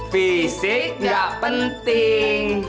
fisik gak penting